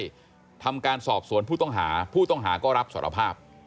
ทำการสอบสวนผู้ต้องหาผู้ต้องหาก็รับสารภาพ